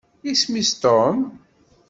Isem-is Tom